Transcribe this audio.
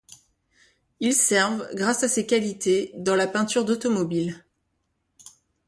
Ils servent, grâce à ces qualités, dans la peinture d'automobiles.